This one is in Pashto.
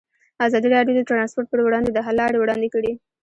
ازادي راډیو د ترانسپورټ پر وړاندې د حل لارې وړاندې کړي.